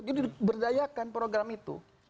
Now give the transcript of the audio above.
jadi diberdayakan program itu